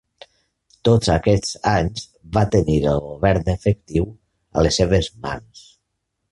Tots aquests anys va tenir el govern efectiu a les seves mans.